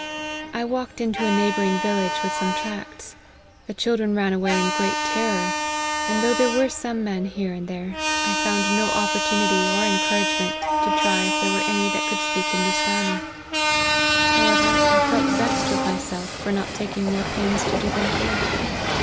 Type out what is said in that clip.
I walk ed into a neighbouring village, with some tracts. The children ran away in great terror ; and though there were some men here and there, I found no opportunity or encouragement to try if there were any that could speak Hindoostanee : however, I felt vexed with myself for not taking more pains to do them good.